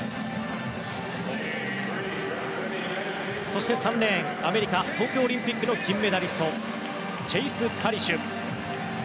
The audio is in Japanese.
そして３レーン、アメリカ東京オリンピックの金メダリストチェイス・カリシュ。